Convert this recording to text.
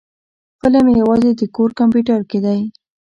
فلم يوازې د کور کمپيوټر کې دی.